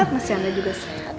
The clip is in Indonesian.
mas yanda juga sehat